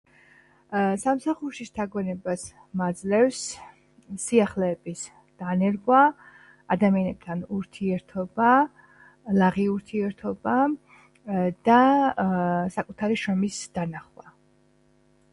სამსახურში შთაგონებას მაძლევს სიახლეების დანერგვა, ადამიანებთან ურთიერთობა (ლაღი ურთიერთობა) და საკუთარი შრომის დანახვა.